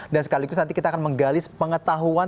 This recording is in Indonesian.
dan sekaligus nanti kita akan menggalis pengetahuan